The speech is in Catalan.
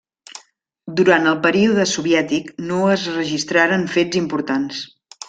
Durant el període soviètic no es registraren fets importants.